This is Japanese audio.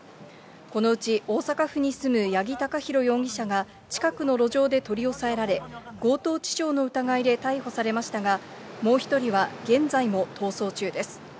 このうち大阪府に住む八木貴寛容疑者が、近くの路上で取り押さえられ、強盗致傷の疑いで逮捕されましたが、もう１人は現在も逃走中です。